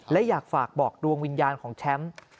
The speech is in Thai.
และอยากฝากบอกดวงวิญญาณของแชมป์